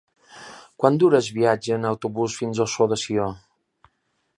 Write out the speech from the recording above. Quant dura el viatge en autobús fins a Ossó de Sió?